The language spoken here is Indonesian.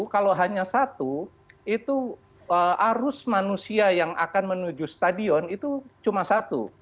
kalau hanya satu itu arus manusia yang akan menuju stadion itu cuma satu